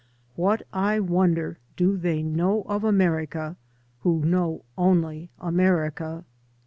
What, I wonder, do they know of America, who know only America?